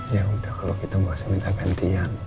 ya udah kalau gitu gak usah minta gantian